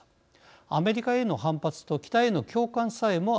アメリカへの反発と北への共感さえもありました。